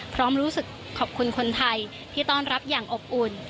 รู้สึกขอบคุณคนไทยที่ต้อนรับอย่างอบอุ่น